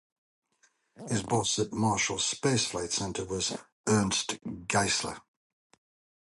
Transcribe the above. His boss at Marshall Space Flight Center was Ernst Geissler.